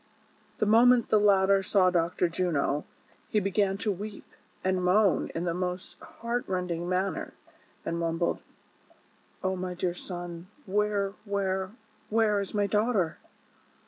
The moment the latter saw Dr. Juno, he began to weep and moan in the most heart rending manner, and mum bled :" O my dear son ! where — where — where is my daugh ter?"